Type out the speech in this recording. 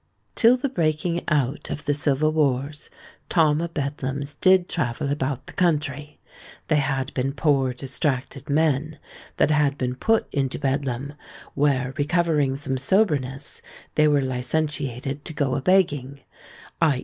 "Till the breaking out of the civil wars, Tom o' Bedlams did travel about the country; they had been poor distracted men, that had been put into Bedlam, where recovering some soberness, they were licentiated to go a begging; _i.